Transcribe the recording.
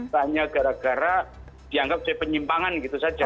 hanya gara gara dianggap sebagai penyimpangan gitu saja